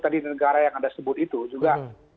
tadi negara yang anda sebut itu juga